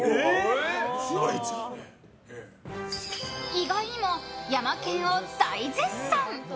意外にもヤマケンを大絶賛！